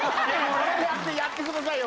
これでやってくださいよ